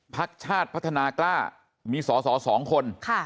พักชาติพัฒนากล้ามีสอสอ๒คน